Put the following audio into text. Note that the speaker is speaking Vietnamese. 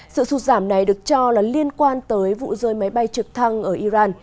sự sụt giảm này được cho là liên quan tới vụ rơi máy bay trực thăng ở iran